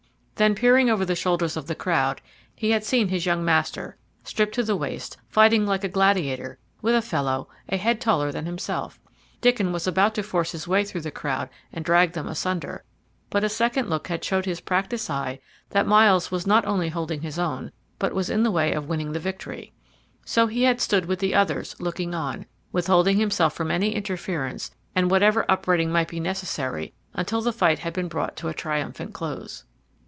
Then, peering over the shoulders of the crowd, he had seen his young master, stripped to the waist, fighting like a gladiator with a fellow a head taller than himself. Diccon was about to force his way through the crowd and drag them asunder, but a second look had showed his practised eye that Myles was not only holding his own, but was in the way of winning the victory. So he had stood with the others looking on, withholding himself from any interference and whatever upbraiding might be necessary until the fight had been brought to a triumphant close.